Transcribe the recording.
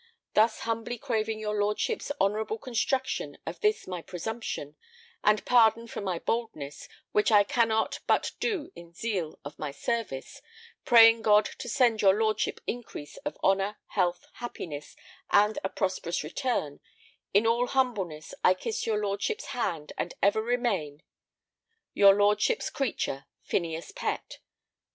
Thus humbly craving your lordship's honourable construction of this my presumption, and pardon for my boldness, which I cannot but do in zeal of my service, praying God to send your lordship increase of honour, health, happiness, and a prosperous return, in all humbleness I kiss your lordship's hand and ever remain, Your lordship's creature, PHINEAS PETT.